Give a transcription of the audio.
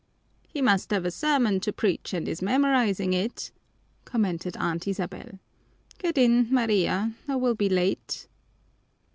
"He must have a sermon to preach and is memorizing it," commented Aunt Isabel. "Get in, Maria, or we'll be late."